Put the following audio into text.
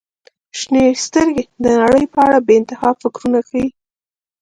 • شنې سترګې د نړۍ په اړه بې انتها فکرونه ښیي.